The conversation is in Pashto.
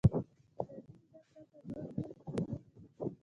خو له دې ادعا پرته نور ډېر معلومات نشته.